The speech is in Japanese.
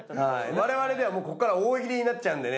我々ではここからは大喜利になっちゃうんでね